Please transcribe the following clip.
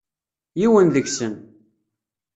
Yiwen deg-sen.